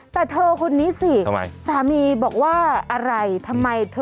แต่เธอคนนี้สิสามีบอกว่าอะไรทำไมเธอ